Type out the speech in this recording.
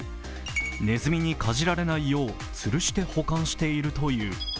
ねずみにかじられないようつるして保管しているという。